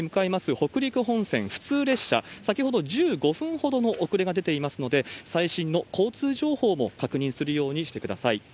北陸本線普通列車、先ほど１５分ほどの遅れが出ていますので、最新の交通情報も確認するようにしてください。